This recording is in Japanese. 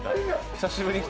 久しぶりで。